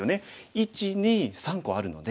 １２３個あるので。